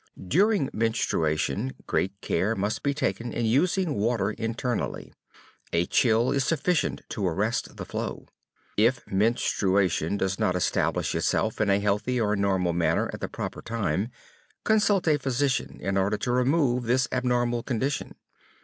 During menstruation great care must be taken in using water internally. A chill is sufficient to arrest the flow. If menstruation does not establish itself in a healthy or normal manner at the proper time, consult a physician in order to remove this abnormal condition.